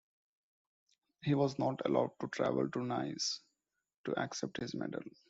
He was not allowed to travel to Nice to accept his medal.